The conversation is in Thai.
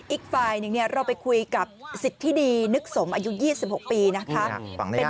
อีกฝ่ายหนึ่งเราไปคุยกับสิทธิดีนึกสมอายุ๒๖ปีนะคะ